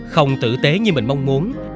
không tử tế như mình mong muốn